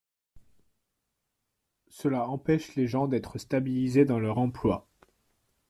Cela empêche les gens d’être stabilisés dans leur emploi.